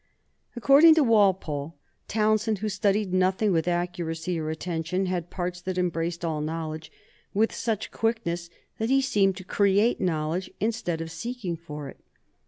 According to Walpole, Townshend, who studied nothing with accuracy or attention, had parts that embraced all knowledge with such quickness that he seemed to create knowledge instead of seeking for it.